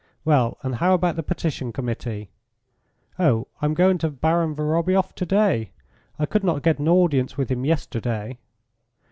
Well, and how about the Petition Committee?" "Oh, I'm going to Baron Vorobioff to day. I could not get an audience with him yesterday."